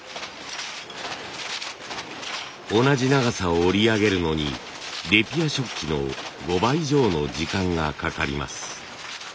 同じ長さを織り上げるのにレピア織機の５倍以上の時間がかかります。